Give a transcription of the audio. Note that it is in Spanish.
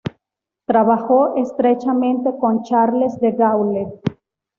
Trabajó estrechamente con Charles de Gaulle.